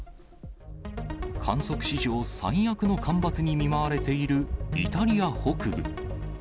観測史上最悪の干ばつに見舞われているイタリア北部。